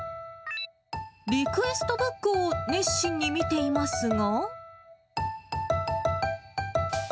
リクエストブックを熱心に見ていますが。